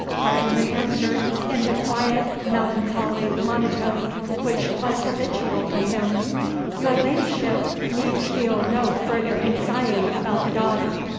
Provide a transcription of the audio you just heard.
Hardyman answered, in the quiet melancholy monotone which was habitual with him, "Your Ladyship need feel no further anxiety about the dog.